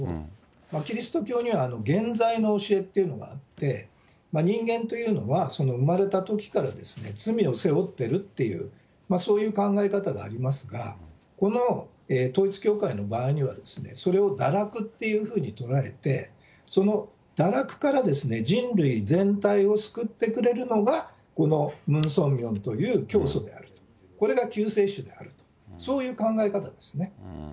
キリスト教には原罪の教えっていうのがあって、人間というのは、産まれたときから罪を背負ってるっていう、そういう考え方がありますが、この統一教会の場合には、それを堕落っていうふうに捉えて、その堕落から人類全体を救ってくれるのが、このムン・ソンミョンという教祖であると、これが救世主であると、そういう考え方です